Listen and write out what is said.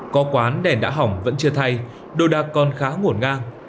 có quán đèn đã hỏng vẫn chưa thay đồ đạc còn khá ngổn ngang